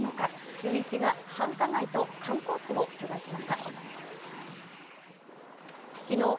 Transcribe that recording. シューイチが繁華街と観光地を取材しました。